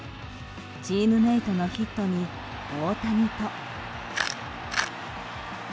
チームメートのヒットに大谷と。